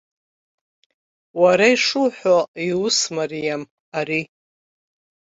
Уара ишуҳәо иус мариам ари.